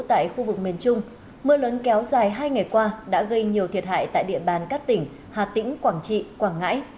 tại khu vực miền trung mưa lớn kéo dài hai ngày qua đã gây nhiều thiệt hại tại địa bàn các tỉnh hà tĩnh quảng trị quảng ngãi